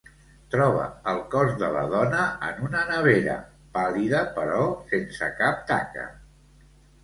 Troba el cos de la dona en una nevera, pàl·lida però sense cap taca.